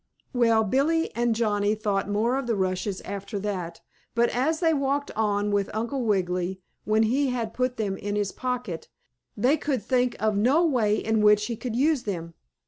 Well, Billie and Johnnie thought more of the rushes after that, but, as they walked on with Uncle Wiggily, when he had put them in his pocket, they could think of no way in which he could use them.